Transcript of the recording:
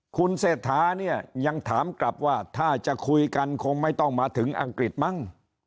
คุณเศรษฐาเนี่ยยังถามกลับว่าถ้าจะคุยกันคงไม่ต้องมาถึงอังกฤษมั้ง